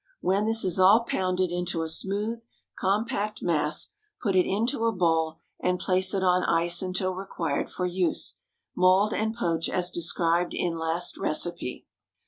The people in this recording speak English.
When this is all pounded into a smooth, compact mass, put it into a bowl and place it on ice until required for use. Mould and poach as described in last recipe.